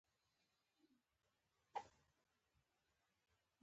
دوی شتمن او په ښه توګه منظم شوي دي.